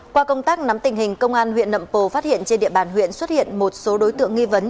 qua công tác nắm tình hình công an huyện nậm pồ phát hiện trên địa bàn huyện xuất hiện một số đối tượng nghi vấn